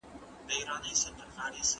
عسکر په پای کې د ولسمشر په موخه پوه شو.